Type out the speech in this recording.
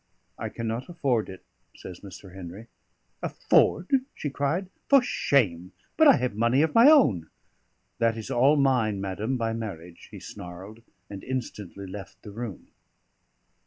"I cannot afford it," says Mr. Henry. "Afford?" she cried. "For shame! But I have money of my own." "That is all mine, madam, by marriage," he snarled, and instantly left the room.